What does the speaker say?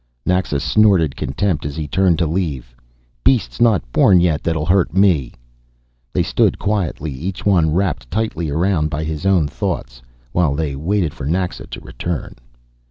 Naxa snorted contempt as he turned to leave. "Beast's not born yet, that'll hurt me." They stood quietly, each one wrapped tightly around by his own thoughts, while they waited for Naxa to return.